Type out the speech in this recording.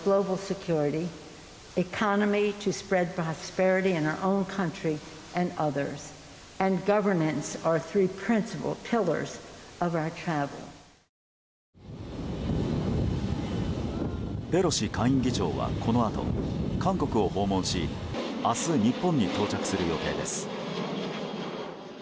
ペロシ下院議長はこのあと韓国を訪問し明日、日本に到着する予定です。